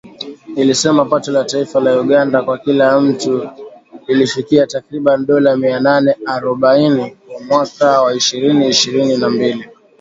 ilisema pato la taifa la Uganda kwa kila mtu lilifikia takribani dola mia nane arobaini kwa mwaka wa ishirini ishrini na mbili